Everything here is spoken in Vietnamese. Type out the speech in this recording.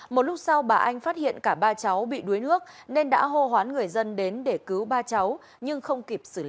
một lúc sau bà anh phát hiện cả ba cháu bị đuối nước nên đã hô hoán người dân đến để cứu ba cháu nhưng không kịp xử lý